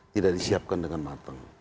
tidak disiapkan dengan matang